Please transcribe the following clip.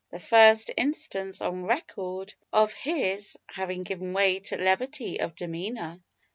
the first instance on record of his having given way to levity of demeanour.